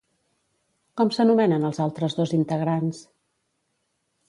Com s'anomenen els altres dos integrants?